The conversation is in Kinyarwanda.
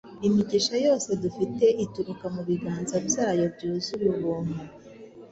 Imigisha yose dufite ituruka mu biganza byayo byuzuye ubuntu.